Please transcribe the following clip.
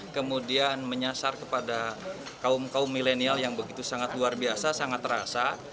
kemudian menyasar kepada kaum kaum milenial yang begitu sangat luar biasa sangat terasa